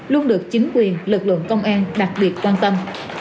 luôn được chính quyền lực lượng công an đặc biệt quan tâm